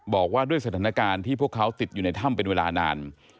บอกว่าด้วยสถานการณ์ที่พวกเขาติดอยู่ในถ้ำเป็นเวลานาน